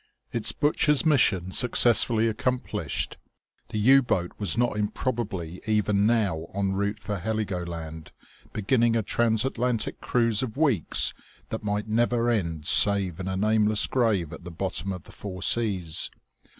Its butcher's mission successfully accomplished, the U boat was not improbably even now en route for Heligoland, beginning a transatlantic cruise of weeks that might never end save in a nameless grave at the bottom of the Four Seas.